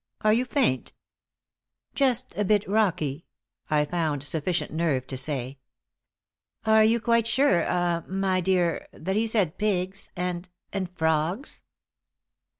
Are you faint?" "Just a bit rocky," I found sufficient nerve to say. "Are you quite sure ah my dear that he said pigs and and frogs?"